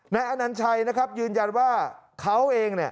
อนัญชัยนะครับยืนยันว่าเขาเอง